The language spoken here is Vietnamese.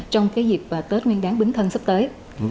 trong cái dịp tết nguyên đáng bí thân sắp tới